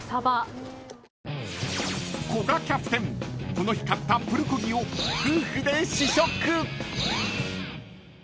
この日買ったプルコギを夫婦で試食！］